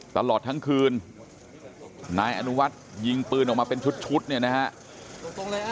ตลอดทั้งคืนนายอนุวัฒน์ยิงปืนออกมาเป็นชุดเนี่ยนะฮะ